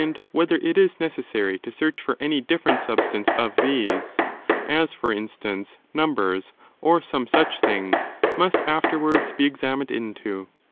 "*^^ whether it is necessary to search for any different substance of these — as, for instance, numbers, or some such thing — ^must aftei'wards be examined into.